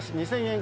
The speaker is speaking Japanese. “２０００円